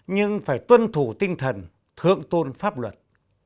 nhưng phải tuân thủ tinh thần thượng tôn pháp luật